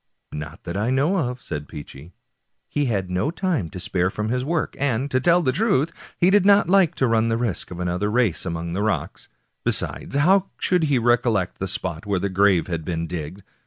" Not that I know of," said Peechy ;" he had no time to spare from his work, and, to tell the truth, he did not like to run the risk of another race among the rocks. Besides, how should he recollect the spot where the grave had been digged?